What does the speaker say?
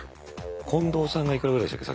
近藤さんがいくらぐらいでしたっけ？